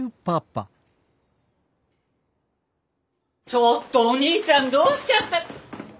ちょっとお兄ちゃんどうしちゃった。